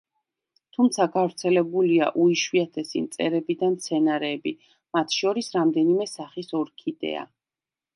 თუმცა გავრცელებულია უიშვიათესი მწერები და მცენარეები, მათ შორის რამდენიმე სახის ორქიდეა.